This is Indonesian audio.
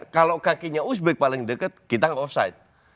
kalau kakinya uzbek paling dekat kita offside